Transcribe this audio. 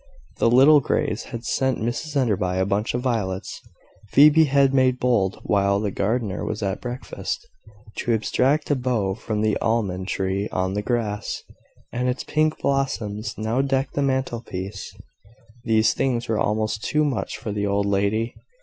The little Greys had sent Mrs Enderby a bunch of violets; Phoebe had made bold, while the gardener was at breakfast, to abstract a bough from the almond tree on the grass; and its pink blossoms now decked the mantelpiece. These things were almost too much for the old lady.